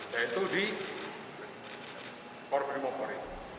yaitu di korporimobor